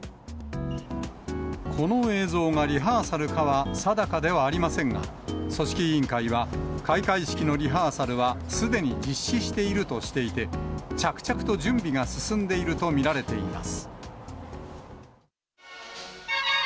この映像がリハーサルかは定かではありませんが、組織委員会は開会式のリハーサルはすでに実施しているとしていて、着々と準備が進んでいると見られています。